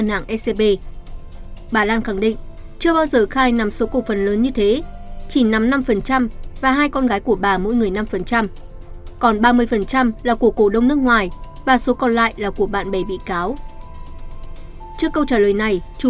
trước câu trả lời này chủ tọa phạm lương toản giải thích